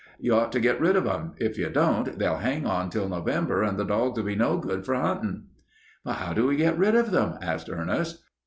You ought to get rid of 'em. If you don't, they'll hang on till November and the dogs'll be no good for huntin'." "But how do you get rid of them?" asked Ernest.